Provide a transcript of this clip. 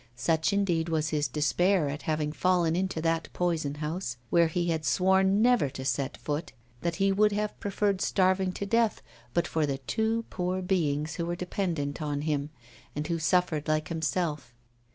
Such, indeed, was his despair at having fallen into that poison house, where he had sworn never to set foot, that he would have preferred starving to death, but for the two poor beings who were dependent on him and who suffered like himself.